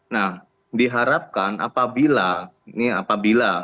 nah diharapkan apabila ini apabila